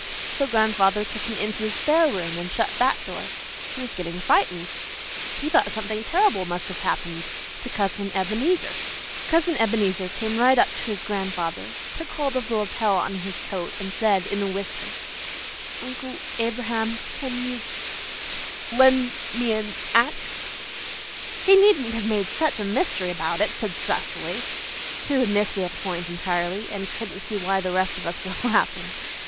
So grandfather took him into the spare room and shut that door. He was getting frightened. He thought something terrible must have happened Cousin Ebenezer. Cousin Ebenezer came right up to grandfather, took hold of the lapel of his coat, and said in a whisper, 'Uncle Abraham, CAN YOU LEND ME AN AXE?'" "He needn't have made such a mystery about it," said Cecily, who had missed the point entirely, and couldn't see why the rest of us were laughing.